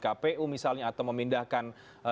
kpu misalnya atau memindahkan